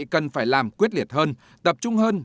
cần phải làm quyết liệt hơn tập trung hơn